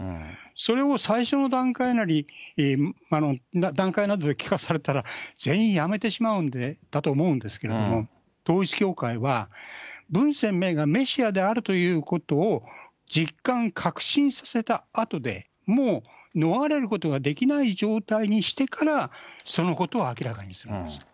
それを最初の段階なり、段階などで聞かされたら、全員やめてしまうんだと思うんですけど、統一教会は、文鮮明がメシアであるということを実感確信させたあとで、もう逃れることができない状態にしてから、そのことを明らかにするんです。